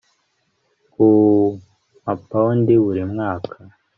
ku mapawundi buri mwaka